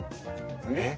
えっ？